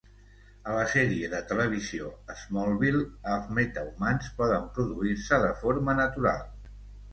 A la sèrie de televisió "Smallville", els metahumans poden produir-se de forma natural.